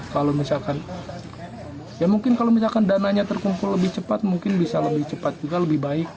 kalau misalkan ya mungkin kalau misalkan dananya terkumpul lebih cepat mungkin bisa lebih cepat juga lebih baik